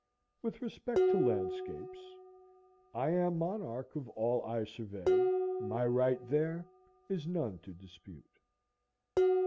With respect to landscapes,— "I am monarch of all I survey, My right there is none to dispute."